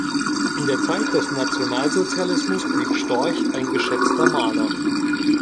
In der Zeit des Nationalsozialismus blieb Storch ein geschätzter Maler.